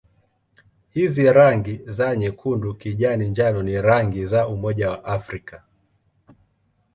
Hizi rangi za nyekundu-kijani-njano ni rangi za Umoja wa Afrika.